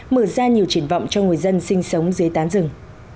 mở ra nhiều triển vọng cho người dân sinh sống dưới tán rừng